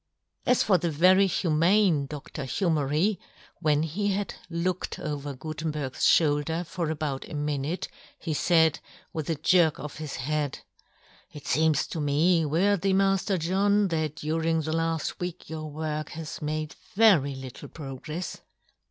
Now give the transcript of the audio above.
As for the very humane Dr. Hu mery, when he had looked over Gu tenberg's ftioulder for about a minute, he faid, with a jerk of his head, " It " feems to me, worthy Mafter John, " that during the laft week your " work has made very little progrefs."